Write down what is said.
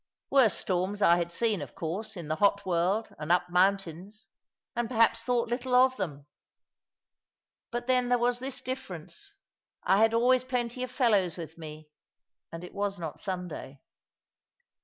Worse storms I had seen, of course, in the hot world and up mountains, and perhaps thought little of them; but then there was this difference, I had always plenty of fellows with me, and it was not Sunday.